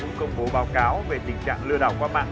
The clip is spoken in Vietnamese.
cũng công bố báo cáo về tình trạng lừa đảo qua mạng